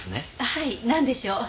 はいなんでしょう？